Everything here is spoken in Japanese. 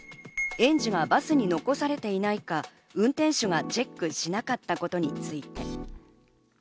園児がバスに残されていないか、運転手がチェックしなかったことについて。